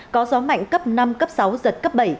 có gió mạnh cấp năm cấp sáu giật cấp bảy